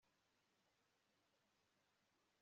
ejo wigeze wumva iby'umuriro